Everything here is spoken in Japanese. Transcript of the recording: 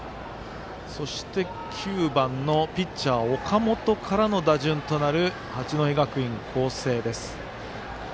そして９番のピッチャー、岡本からの打順となる八戸学院光星です。